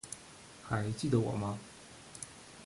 还记得我吗？